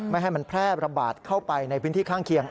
ไม่ให้มันแพร่ระบาดเข้าไปในพื้นที่ข้างเคียง